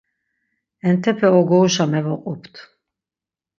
Entepe ogoruşa mevoqupt.